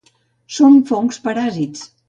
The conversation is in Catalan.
Són fongs paràsits.